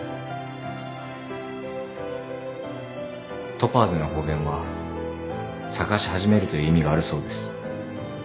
トパーズの語源は探し始めるという意味があるそうです。